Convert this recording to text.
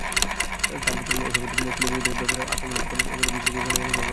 ট্রাম্পের তূণে এসব অস্ত্রই আছে, তিনি বিরোধীদের ব্যাপারে আক্রমণাত্মক, বিশেষ করে গণমাধ্যমের ব্যাপারে।